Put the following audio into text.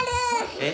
えっ？